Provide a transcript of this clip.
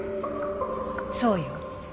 そうよ。